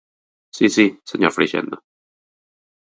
Si, si, señor Freixendo.